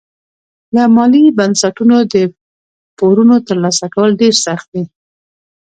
له مالي بنسټونو د پورونو ترلاسه کول ډېر سخت وي.